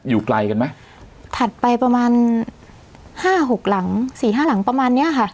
อยู่ไกลกันไหมถัดไปประมาณห้าหกหลังสี่ห้าหลังประมาณเนี้ยค่ะ